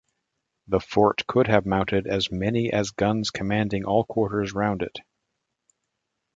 The fort could have mounted as many as guns commanding all quarters round it.